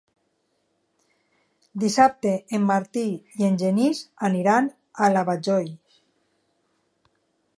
Dissabte en Martí i en Genís aniran a la Vajol.